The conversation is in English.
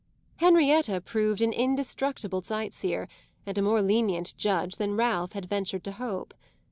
Henrietta proved an indestructible sight seer and a more lenient judge than Ralph had ventured to hope.